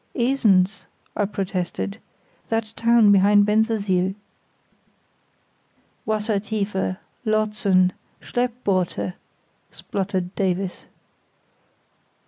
"Esens," I protested; "that town behind Bensersiel." "Wassertiefe, Lotsen, Schleppboote," spluttered Davies.